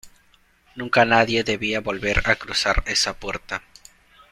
Nunca nadie debía volver a cruzar esa puerta.